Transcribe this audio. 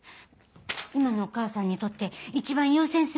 今のお母さんにとって一番優先すべき。